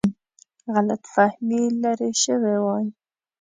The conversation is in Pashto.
غلط فهمي لیرې شوې وای.